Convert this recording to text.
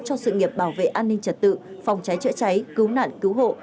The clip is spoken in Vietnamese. cho sự nghiệp bảo vệ an ninh trật tự phòng cháy chữa cháy cứu nạn cứu hộ